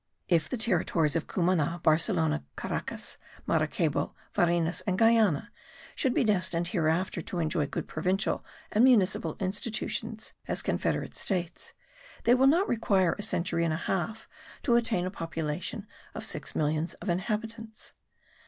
If the territories of Cumana, Barcelona, Caracas, Maracaybo, Varinas and Guiana should be destined hereafter to enjoy good provincial and municipal institutions as confederate states, they will not require a century and a half to attain a population of six millions of inhabitants.